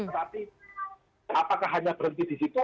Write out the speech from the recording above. tetapi apakah hanya berhenti di situ